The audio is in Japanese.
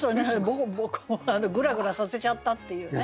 ボコボコグラグラさせちゃったっていうね。